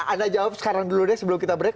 anda jawab sekarang dulu deh sebelum kita break